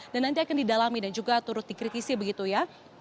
dan nanti akan didalami dan juga turut dikritisi begitu ya